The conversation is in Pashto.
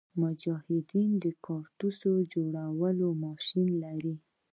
مجاهدین د کارتوس جوړولو یو ماشین لري.